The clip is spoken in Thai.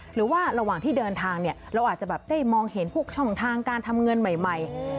หรือว่าระหว่างที่เดินทางเนี่ยเราอาจจะแบบได้มองเห็นพวกช่องทางการทำเงินใหม่